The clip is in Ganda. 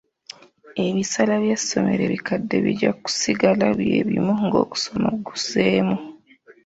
Ebisale by'essomero ebikadde bijja kusigala bye bimu ng'okusoma kuzzeemu.